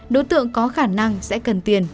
đối tượng có khả năng sẽ cần tiền